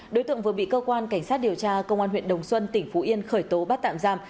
đối tượng vừa bị cơ quan cảnh sát điều tra công an huyện đồng xuân tỉnh phú yên khởi tố bắt tạm giam